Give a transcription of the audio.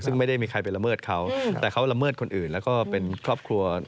ซึ่งไม่ได้มีใครไปละเมิดเขาแต่เขาละเมิดคนอื่นแล้วก็เป็นครอบครัว